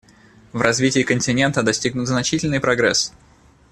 В развитии континента достигнут значительный прогресс.